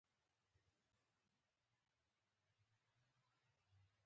د خوراکي موادو وړل منع دي.